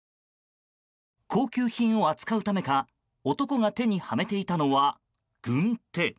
高級品を扱うためか男が手にはめていたのは軍手。